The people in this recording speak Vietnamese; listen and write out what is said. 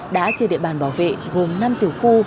đã trên địa bàn bảo vệ gồm năm tiểu khu